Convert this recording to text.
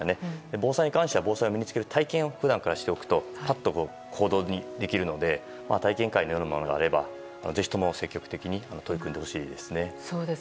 防災に関しては防災を身に付ける体験を普段からしておくとパッと行動できるので体験会のようなものがあればぜひとも積極的に取り組んでほしいですね。